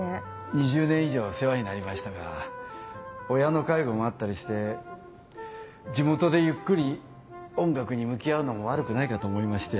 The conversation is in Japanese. ２０年以上世話になりましたが親の介護もあったりして地元でゆっくり音楽に向き合うのも悪くないかと思いまして。